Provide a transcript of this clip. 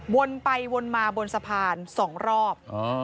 วนไปวนมาบนสะพาน๒รอบ